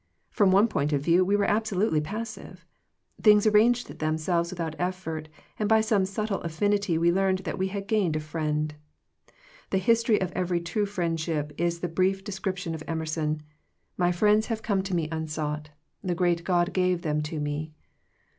From one point of view we were absolutely passive. Things arranged themselves without effort, and by some subtle affinity we learned that we had gained a friend. The history of every true friendship is the brief descrip tion of Emerson, •* My friends have come 94 Digitized by VjOOQIC THE CHOICE OF FRIENDSHIP to me unsought; the great God gave them to me."